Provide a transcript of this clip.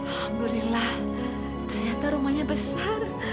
alhamdulillah ternyata rumahnya besar